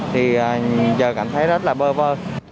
thì giờ cảm thấy rất là bơ vơ